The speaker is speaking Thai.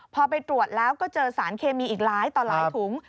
พอไปตรวจแล้วก็เจอสารเคมีอีกหลายต่อหลายถุง